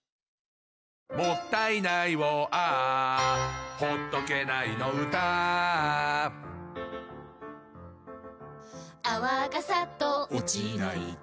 「もったいないをＡｈ」「ほっとけないの唄Ａｈ」「泡がサッと落ちないと」